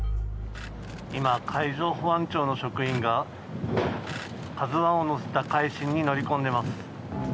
今、海上保安庁の職員が「ＫＡＺＵ１」を乗せた「海進」に乗り込んでいます。